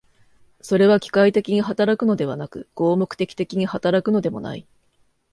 それは機械的に働くのではなく、合目的的に働くのでもない。